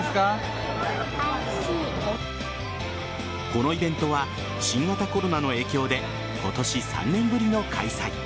このイベントは新型コロナの影響で今年３年ぶりの開催。